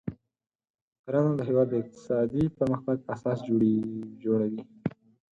کرنه د هیواد د اقتصادي پرمختګ اساس جوړوي.